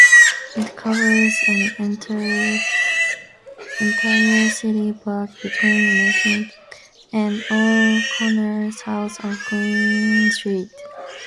It covers an entire city block between Metcalfe and O'Connor south of Queen Street.